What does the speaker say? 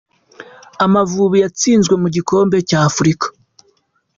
Amavubi yatsinzwe mu gikombe cy’ Africa.